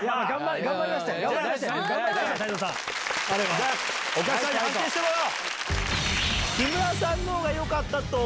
じゃあお客さんに判定してもらおう。